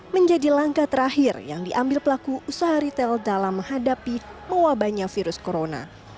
menjadi langkah terakhir yang diambil pelaku usaha retail dalam menghadapi mewabahnya virus corona